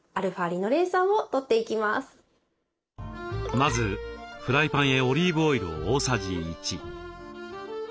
まずフライパンへオリーブオイルを大さじ１。